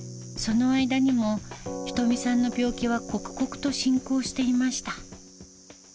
その間にも、仁美さんの病気は刻々と進行していました。